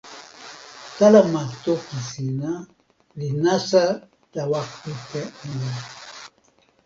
kalama toki sina li nasa tawa kute mi.